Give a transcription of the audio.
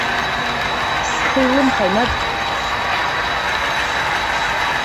Схы илымҳа инадкыланы сиҳәеит гәҭыӷьӷьаала.